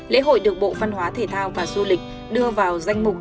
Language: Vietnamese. lễ hội được bộ văn hóa thể thao và du lịch đưa vào danh mục